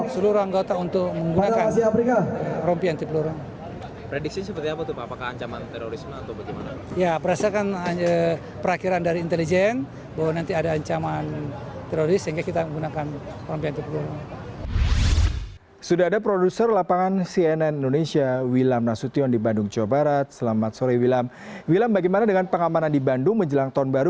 seluruh anggota untuk menggunakan rompi anti peluru